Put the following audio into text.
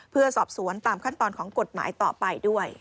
เพื่อสอบสวนตามขั้นตอนของกฎหมายต่อไปด้วย